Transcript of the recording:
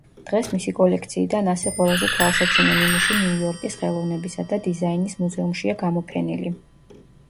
დღეს მისი კოლექციიდან ასი ყველაზე თვალსაჩინო ნიმუში ნიუ-იორკის ხელოვნებისა და დიზაინის მუზეუმშია გამოფენილი.